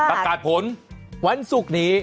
ประกาศผลวันศุกร์นี้